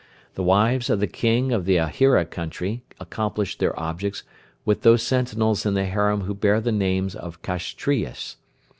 The wives of the King of the Ahira country accomplish their objects with those sentinels in the harem who bear the name of Kashtriyas.